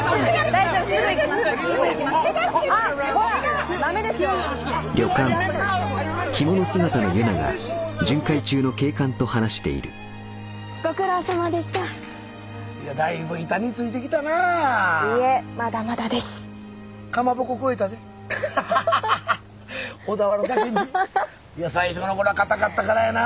最初のころはかたかったからやなぁ。